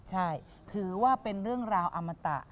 ใช่ถือว่าเป็นเรื่องราวอมตะ